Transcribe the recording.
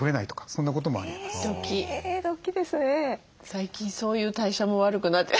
最近そういう代謝も悪くなって。